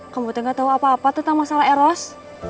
kamu tidak tahu apa apa tentang masalah eros